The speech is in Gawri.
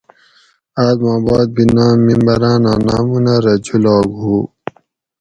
آۤس ما باد بھی ناۤم ممبراناۤں نامونہ رہ جولاگ ہُو